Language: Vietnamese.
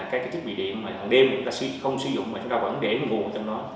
các cái thiết bị điện mà hằng đêm người ta không sử dụng mà chúng ta vẫn để nguồn trong nó